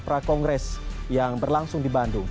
prakongres yang berlangsung di bandung